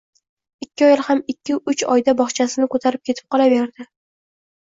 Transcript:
Ikki ayoli ham ikki-uch oyda bo`g`chasini ko`tarib ketib qolaverdi